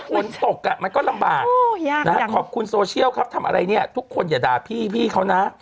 ฝนตกอ่ะมันก็ลำบากขอบคุณโซเชียลครับทำอะไรเนี่ยทุกคนอย่าด่าพี่เขานะ